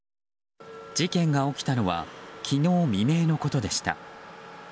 事件が起きたのは昨日未明のことでした。